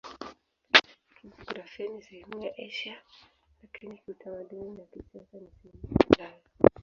Kijiografia ni sehemu ya Asia, lakini kiutamaduni na kisiasa ni sehemu ya Ulaya.